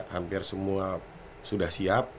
hampir semua sudah siap